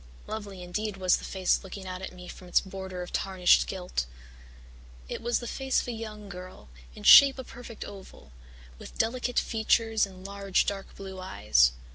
Lovely indeed was the face looking out at me from its border of tarnished gilt. It was the face of a young girl, in shape a perfect oval, with delicate features and large dark blue eyes.